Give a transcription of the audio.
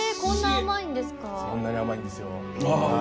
そんなに甘いんですよ